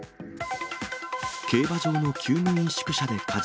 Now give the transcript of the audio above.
競馬場のきゅう務員宿舎で火事。